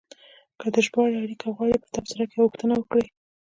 که د ژباړې اړیکه غواړئ، په تبصره کې غوښتنه وکړئ.